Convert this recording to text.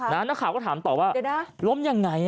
นักข่าวก็ถามตอบว่าล้มยังไง